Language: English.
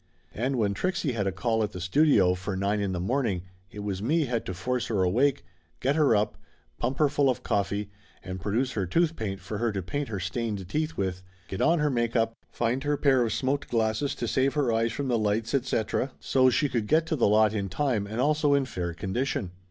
And when Trixie had a call at the studio for nine in the morning it was me had to force her awake, get her up, pump her full of coffee and produce her tooth paint for her to paint her stained teeth with, get on her make up, find her pair of smoked glasses to save her eyes from the lights, etc., so's she could get to the lot in time and also in fair condition.